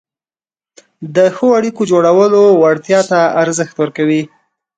د ښو اړیکو جوړولو وړتیا ته ارزښت ورکوي،